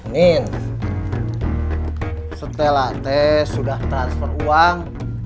nin setelah t sudah transfer uang